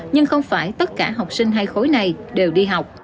nhưng không phải tất cả học sinh hai khối này đều đi học